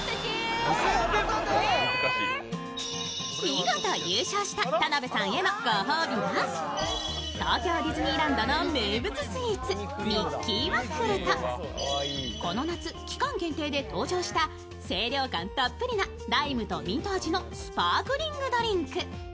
見事優勝した田辺さんへのご褒美は東京ディズニーランドの名物スイーツ、ミッキーワッフルとこの夏、期間限定で登場した清涼感たっぷりなライムとミント味のスパークリングドリンク。